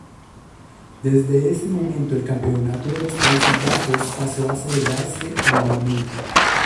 Desde ese momento el Campeonato de los Países Bajos pasó a celebrarse anualmente.